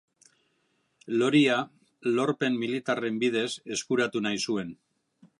Loria lorpen militarren bidez eskuratu nahi zuen.